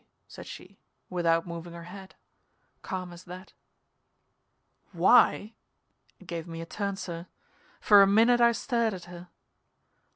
said she, without moving her head calm as that. "Why?" It gave me a turn, sir. For a minute I stared at her.